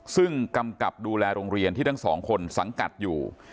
ซึ่งกำกับดูแลโรงเรียนที่ทั้งสองคนสังกัดอยู่